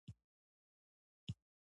د ځان ارزښت ساتل مهم دی.